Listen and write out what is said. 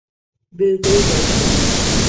Bugle বাজিয়ে দাও।